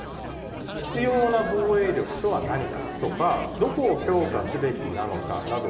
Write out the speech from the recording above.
必要な防衛力とは何かとかどこを強化すべきなのかなど、